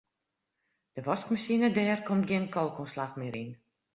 De waskmasine dêr komt gjin kalkoanslach mear yn.